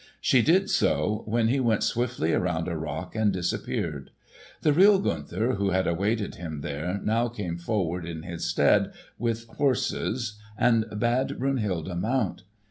She did so, when he went swiftly around a rock and disappeared. The real Gunther who had awaited him there now came forward in his stead with horses and bade Brunhilde mount.